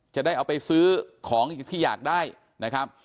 จะได้เอาไปซื้อของที่อยากได้นะครับ